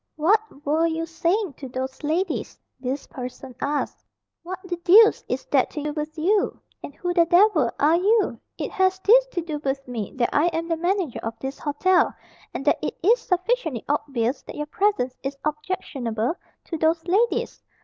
"What were you saying to those ladies?" this person asked. "What the deuce is that to do with you? And who the devil are you?" "It has this to do with me, that I am the manager of this hotel, and that it is sufficiently obvious that your presence is objectionable to those ladies.